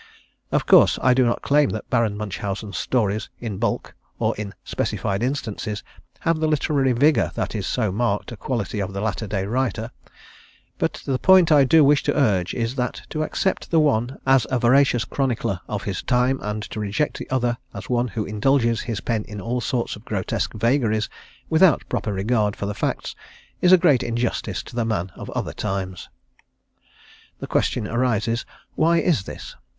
Of course, I do not claim that Baron Munchausen's stories in bulk or in specified instances, have the literary vigour that is so marked a quality of the latter day writer, but the point I do wish to urge is that to accept the one as a veracious chronicler of his time and to reject the other as one who indulges his pen in all sorts of grotesque vagaries, without proper regard for the facts, is a great injustice to the man of other times. The question arises, why is this?